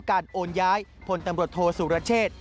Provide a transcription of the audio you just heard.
โอนย้ายพลตำรวจโทษสุรเชษ